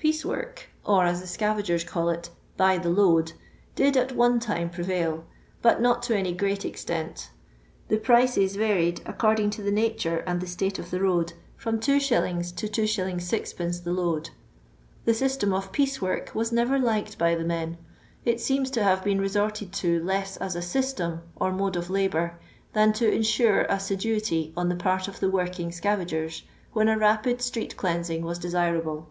Ptece ieork, or, as the scavagers call it, " by the load," did at one time prevail, but not to any great extent The prices varied, according to the nature and the state of the road, from 2s. to 2s. 6d. the load. The system of piece work was never liked by the men ; it teems to have been resorted to less as a system, or mode of labour, than to insure assiduity on the part of the working scavagers, when a rapid street cleansing was desirable.